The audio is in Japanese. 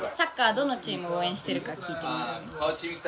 どのチームを応援してるか聞いてみて。